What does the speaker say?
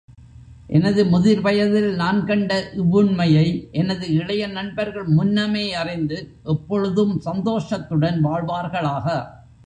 எனது முதிர் வயதில் நான் கண்ட இவ்வுண்மையை எனது இளைய நண்பர்கள் முன்னமே அறிந்து எப்பொழுதும் சந்தோஷத்துடன் வாழ்வார்களாக!